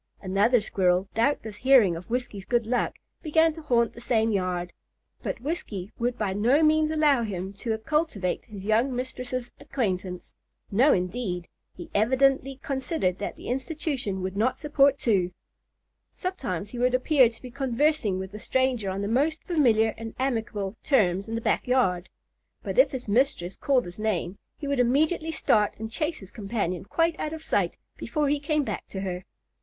Another squirrel, doubtless hearing of Whiskey's good luck, began to haunt the same yard; but Whiskey would by no means allow him to cultivate his young mistress's acquaintance. No indeed! he evidently considered that the institution would not support two. Sometimes he would appear to be conversing with the stranger on the most familiar and amicable terms in the back yard; but if his mistress called his name, he would immediately start and chase his companion quite out of sight, before he came back to her.